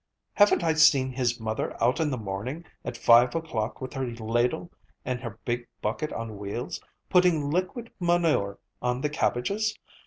Haven't I seen his mother out in the morning at five o'clock with her ladle and her big bucket on wheels, putting liquid manure on the cabbages?